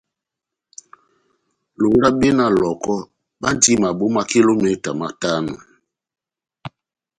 Lolabe na Lɔhɔkɔ bandi maboma kilometa matano.